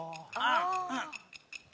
ああ。